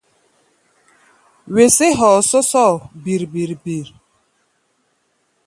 Wesé hɔɔ sɔ́sɔ́ɔ bir-bir-bir.